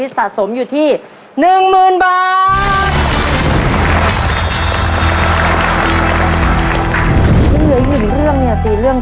ทั้งสามป้าสามแม่วันนี้เกมสำหรับครอบครัวในวันนี้นะครับ